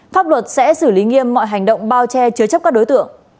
pháp luật sẽ xử lý nghiêm mọi hành động bao che chứa chấp các đối tượng